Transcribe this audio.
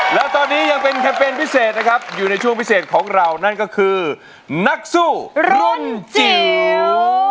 และตอนนี้ยังเป็นแคมเปญพิเศษนะครับอยู่ในช่วงพิเศษของเรานั่นก็คือนักสู้รุ่นจิ๋ว